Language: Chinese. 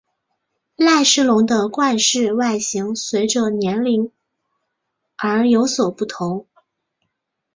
赖氏龙的冠饰外形随者年龄而有所不同。